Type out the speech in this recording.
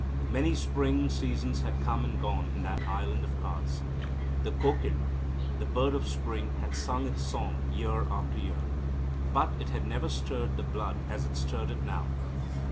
Many spring seasons had come and gone in that Island of Cards. The Kokil, the bird of Spring, had sung its song year after year. But it had never stirred the blood as it stirred it now.